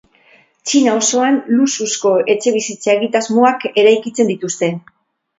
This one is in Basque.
Txina osoan luxuzko etxebizitza egitasmoak eraikitzen dituzte.